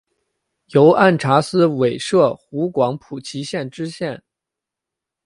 由按察司委摄湖广蒲圻县知县。